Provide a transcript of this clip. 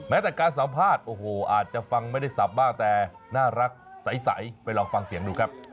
แต่การสัมภาษณ์โอ้โหอาจจะฟังไม่ได้สับบ้างแต่น่ารักใสไปลองฟังเสียงดูครับ